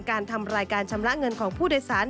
ทำรายการชำระเงินของผู้โดยสาร